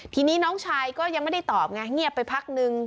ทีนี้น้องชายก็ยังไม่ได้ตอบไงเงียบไปพักนึง